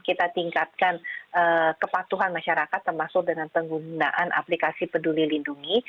kita tingkatkan kepatuhan masyarakat termasuk dengan penggunaan aplikasi peduli lindungi